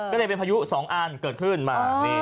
ก็เลยเป็นพายุ๒อันเกิดขึ้นมา